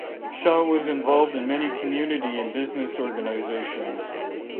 Shaw was involved in many community and business organizations.